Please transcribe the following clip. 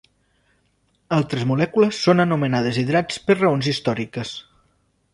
Altres molècules són anomenades hidrats per raons històriques.